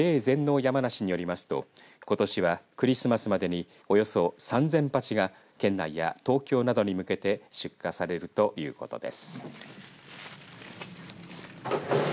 やまなしによりますとことしは、クリスマスまでにおよそ３０００鉢が県内や東京などに向けて出荷されるということです。